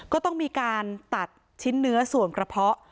ก็ต้องมีการตัดชิ้นเนื้อส่วนกระเพาะ